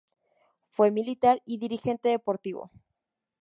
Fue militar y dirigente deportivo.